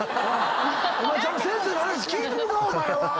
お前ちゃんと先生の話聞いてるか⁉お前は！